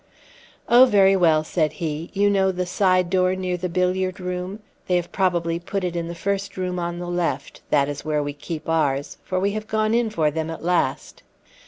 "Oh, very well," said he. "You know the side door near the billiard room? They have probably put it in the first room on the left; that is where we keep ours for we have gone in for them at last.